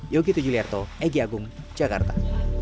yogi tujuliarto egy agung jakarta